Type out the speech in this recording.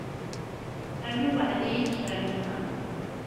Rnu weεεed-iyi-d kra nniḍen.